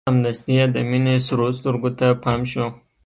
سمدستي يې د مينې سرو سترګو ته پام شو.